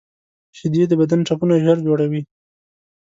شیدې د بدن ټپونه ژر جوړوي